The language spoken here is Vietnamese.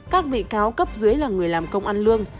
các bị cáo cấp dưới là người làm công ăn lương